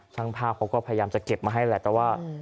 ช่างภาพเขาก็พยายามจะเก็บมาให้แหละแต่ว่า